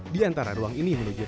di antara ruang ini menuju kamar tidur